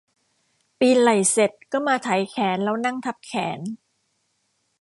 ปีนไหล่เสร็จก็มาไถแขนแล้วนั่งทับแขน